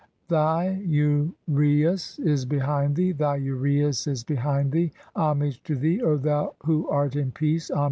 2 Thy uraeus is behind thee, thy uraeus is behind thee. "Homage to thee, O thou who art in peace, homage to thee, O 1.